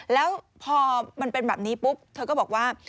แล้วพอมันเป็นแบบนี้ปุ๊บเธอก็บอกว่า